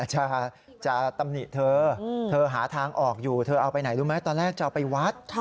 จะตำหนิเธอเธอหาทางออกอยู่เธอเอาไปไหนรู้ไหมตอนแรกจะเอาไปวัด